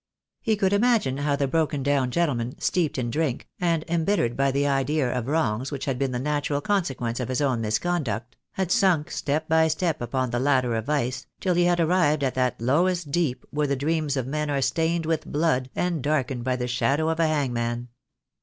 He could imagine how the broken down gentleman, steeped in drink, and embittered by the idea of wrongs which had been the 92 THE DAY WILL COME. natural consequence of his own misconduct, had sunk step by step upon the ladder of vice, till he had arrived at that lowest deep where the dreams of men are stained with blood and darkened by the shadow of the hangman.